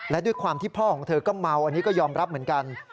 และด้วยความที่พ่อของเธอก็เมาอันนี้ก็ยอมรับเหมือนกัน